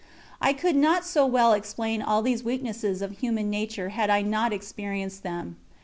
I could not so well explain all these weaknesses of human nature had I not experienced them.